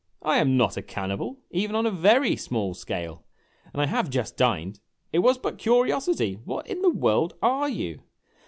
" I am not a cannibal, even on a very small scale! And I have just dined. It was but curiosity. What in the world are you